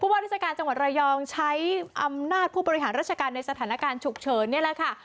ว่าราชการจังหวัดระยองใช้อำนาจผู้บริหารราชการในสถานการณ์ฉุกเฉินนี่แหละค่ะ